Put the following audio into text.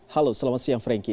halo selamat siang franky